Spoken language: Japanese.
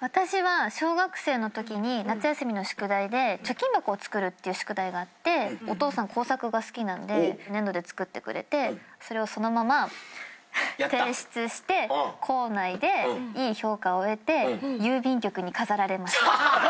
私は小学生のときに夏休みの宿題で貯金箱を作るっていう宿題があってお父さん工作が好きなんで粘土で作ってくれてそれをそのまま提出して校内でいい評価を得て郵便局に飾られました。